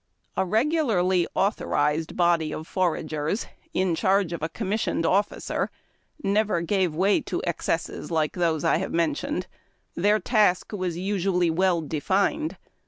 A regularly authorized body of foragers, in charge of a commissioned officer, never gave way to excesses like those I have mentioned. Their task was usually well de fined.